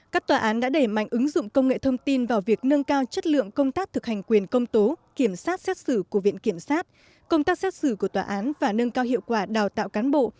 các tòa án đã đẩy mạnh ứng dụng công nghệ thông tin vào việc nâng cao chất lượng công tác thực hành quyền công tố kiểm soát xét xử của viện kiểm sát công tác xét xử của tòa án và nâng cao hiệu quả đào tạo cán bộ